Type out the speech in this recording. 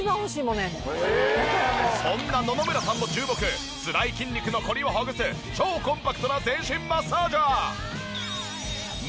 そんな野々村さんの注目つらい筋肉のコリをほぐす超コンパクトな全身マッサージャー。